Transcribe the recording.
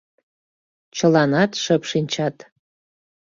Чыланат шып шинчат.